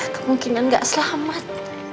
kemungkinan gak selamat